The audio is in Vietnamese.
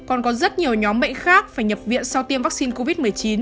còn có rất nhiều nhóm bệnh khác phải nhập viện sau tiêm vaccine covid một mươi chín